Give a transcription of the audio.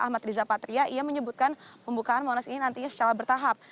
ahmad riza patria ia menyebutkan pembukaan monas ini nantinya secara bertahap